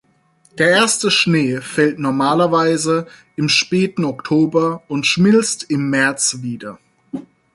Der erste Schnee fällt normalerweise im späten Oktober und schmilzt im März wieder.